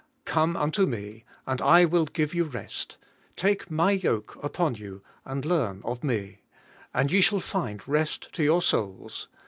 'Come unto me, and I will give you rest. Take my yoke upon you, and learn of me ; and ye shall find rest to your souls.